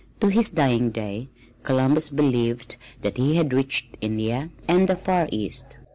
To his dying day Columbus believed that he had reached India and the Far East.